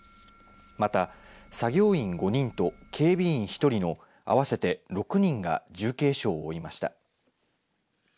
また、作業員５人と警備員１人の合わせて６人が重軽傷を負いました。